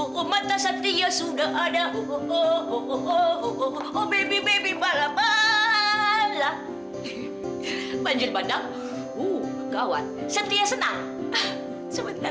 kumpul kumpul mama